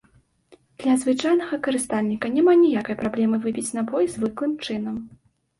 Для звычайнага карыстальніка няма ніякай праблемы выпіць напой звыклым чынам.